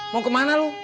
mau kemana lu